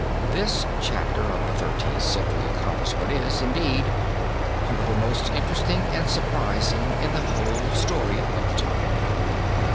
This chapter of Thirteenth Century accomplishment is, indeed, one of the most interesting and surprising in the whole story of the time.